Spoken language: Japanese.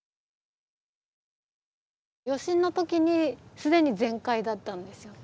余震の時に既に全壊だったんですよ。